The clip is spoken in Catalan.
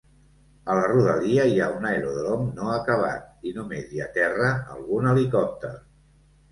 A la rodalia hi ha un aeròdrom no acabat, i només hi aterra algun helicòpter.